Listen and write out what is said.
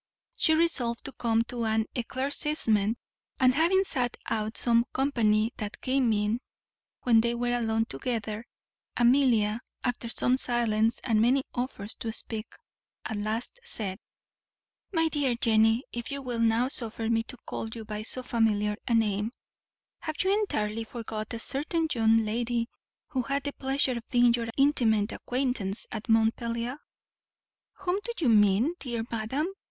She resolved to come to an eclaircissement, and, having sat out some company that came in, when they were alone together Amelia, after some silence and many offers to speak, at last said, "My dear Jenny (if you will now suffer me to call you by so familiar a name), have you entirely forgot a certain young lady who had the pleasure of being your intimate acquaintance at Montpelier?" "Whom do you mean, dear madam?"